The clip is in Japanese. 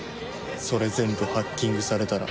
それ全部ハッキングされたら。